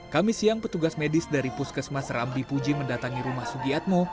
kami siang petugas medis dari puskesmas rambi puji mendatangi rumah sugiatmo